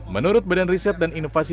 menurut badan riset dan inovasi